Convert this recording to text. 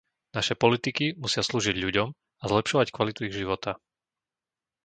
Naše politiky musia slúžiť ľuďom a zlepšovať kvalitu ich života.